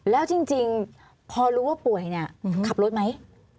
แล้วจริงพอรู้ว่าป่วยเนี่ยขับรถไหม